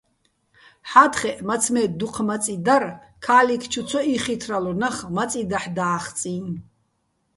ჰ̦ა́თხეჸ, მაცმე́ დუჴ მაწი დარ, ქა́ლიქ ჩუ ცო იხითრალო̆ ნახ მაწი დაჰ̦ და́ხწიჼ.